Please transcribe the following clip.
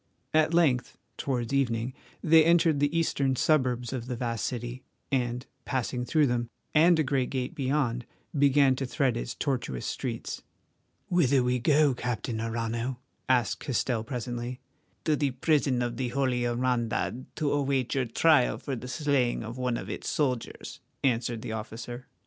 At length, towards evening, they entered the eastern suburbs of the vast city and, passing through them and a great gate beyond, began to thread its tortuous streets. "Whither go we, Captain Arrano?" asked Castell presently. "To the prison of the Holy Hermandad to await your trial for the slaying of one of its soldiers," answered the officer.